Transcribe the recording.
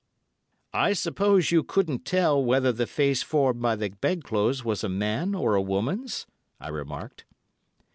"I suppose you couldn't tell whether the face formed by the bedclothes was a man or a woman's?" I remarked.